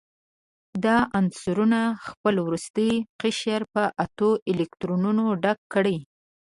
دا عنصرونه خپل وروستی قشر په اتو الکترونونو ډک کړي.